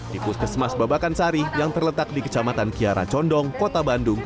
di puskesmas babakan sari yang terletak di kecamatan kiara condong kota bandung